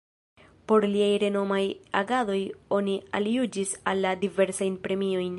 Por liaj renomaj agadoj oni aljuĝis al li diversajn premiojn.